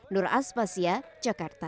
nur aspasya jakarta